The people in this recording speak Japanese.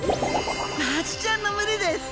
マアジちゃんの群れです。